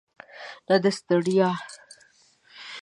نه د ستړیا.